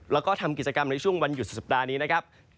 แล้วก็ทำกิจกรรมในช่วงวันหยุดสุดสัปดาห์นี้นะครับ